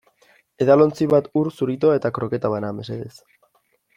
Edalontzi bat ur, zuritoa eta kroketa bana, mesedez.